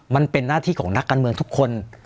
มันเป็นหน้าที่ของนักการเมืองทุกคน